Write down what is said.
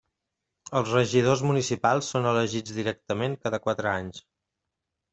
Els regidors municipals són elegits directament cada quatre anys.